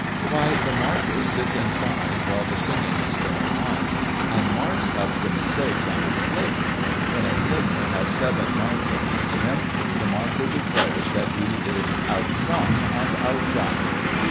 "Why the marker sits inside, while the singing is going on, and marks up the mistakes on a slate. When a singer has seven marks against him, the marker declares that he is outsung and outdone."